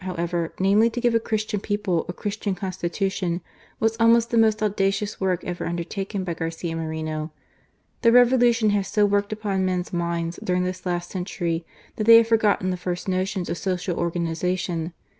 on the Cmstitutiom civUatum Christiana. 2za GARCIA MORENO. Constitution^ was almost the most audacious work ever undertaken by Garcia Moreno. The Revolu tion has so worked upon men's minds during this last century, that they have forgotten the first notions of social organization.